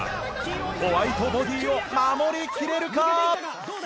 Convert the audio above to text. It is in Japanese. ホワイトボディを守りきれるか！？